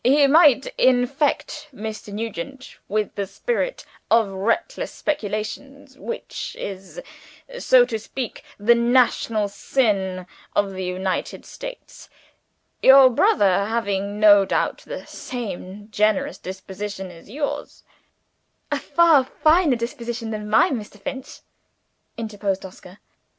He might infect Mr. Nugent with the spirit of reckless speculation which is, so to speak, the national sin of the United States. Your brother, having no doubt the same generous disposition as yours " "A far finer disposition than mine, Mr. Finch," interposed Oscar.